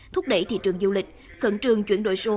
thúc đẩy thị trường du lịch khẩn trường chuyển đổi số